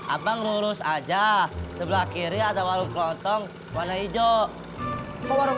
abang urus aja sebelah kiri ada warung klontong warna hijau warung